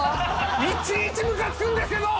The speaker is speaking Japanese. いちいちムカつくんですけど！